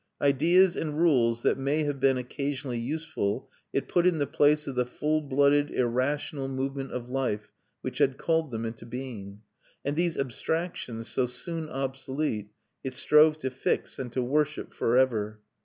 Ideas and rules that may have been occasionally useful it put in the place of the full blooded irrational movement of life which had called them into being; and these abstractions, so soon obsolete, it strove to fix and to worship for ever.